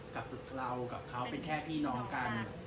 กับเรากับเขาเป็นแค่พี่น้องกัน